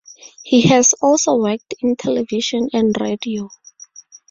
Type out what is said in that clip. He has also worked in television and radio.